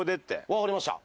わかりました。